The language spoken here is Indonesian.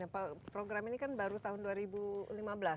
program ini kan baru tahun dua ribu lima belas